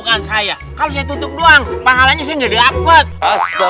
banyakkan pahala maksud pasti